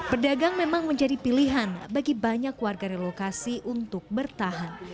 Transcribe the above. pedagang memang menjadi pilihan bagi banyak warga relokasi untuk bertahan